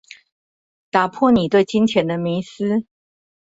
打破你對金錢的迷思